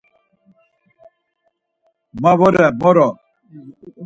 Ma vore moro..